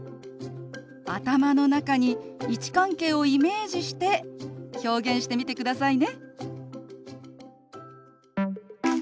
頭の中に位置関係をイメージして表現してみてくださいね。